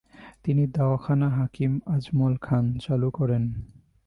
তিনি "দাওয়াখানা হাকিম আজমল খান" চালু করেন।